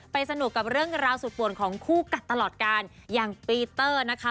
สนุกกับเรื่องราวสุดป่วนของคู่กัดตลอดการอย่างปีเตอร์นะคะ